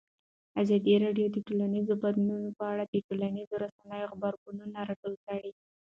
ازادي راډیو د ټولنیز بدلون په اړه د ټولنیزو رسنیو غبرګونونه راټول کړي.